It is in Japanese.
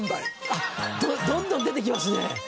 あっどんどん出て来ますね。